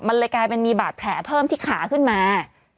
มันเลยกลายเป็นมีบาดแผลเพิ่มที่ขาขึ้นมา